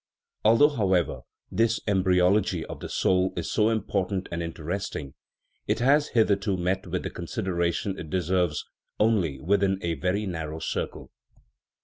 Although, however, this " embryology of the soul " is so important and interesting, it has hitherto met with the consideration it deserves only within a very narrow circle.